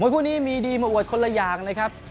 คู่นี้มีดีมาอวดคนละอย่างนะครับ